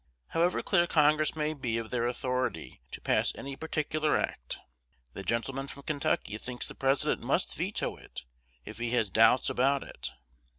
However clear Congress may be of their authority to pass any particular act, the gentleman from Kentucky thinks the President must veto it if he has doubts about it.